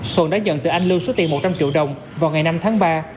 thuận đã nhận từ anh lưu số tiền một trăm linh triệu đồng vào ngày năm tháng ba